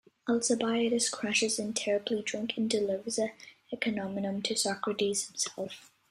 Alcibiades crashes in, terribly drunk, and delivers a encomium to Socrates himself.